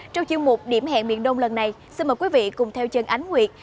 trong chương mục điểm hẹn miền đông lần này xin mời quý vị cùng theo chân ánh nguyệt